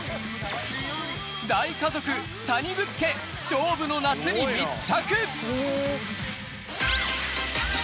大家族、谷口家、勝負の夏に密着。